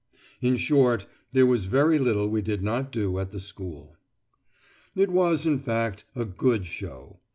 In short, there was very little we did not do at the School. It was, in fact, a "good show."